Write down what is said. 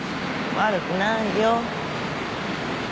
悪くないよ。